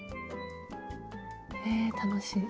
え楽しい。